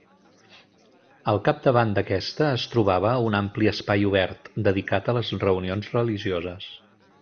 Al capdavant d'aquesta es trobava un ampli espai obert, dedicat a les reunions religioses.